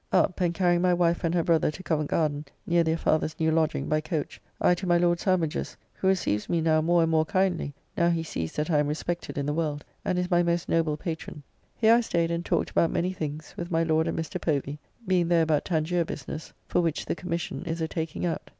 Up, and carrying my wife and her brother to Covent Garden, near their father's new lodging, by coach, I to my Lord Sandwich's, who receives me now more and more kindly, now he sees that I am respected in the world; and is my most noble patron. Here I staid and talked about many things, with my Lord and Mr. Povy, being there about Tangier business, for which the Commission is a taking out.